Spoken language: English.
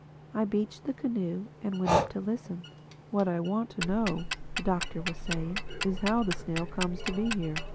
I beached the canoe and went up to listen. "What I want to know," the Doctor was saying, "is how the snail comes to be here.